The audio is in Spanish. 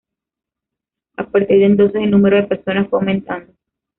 A partir de entonces el número de personas fue aumentando.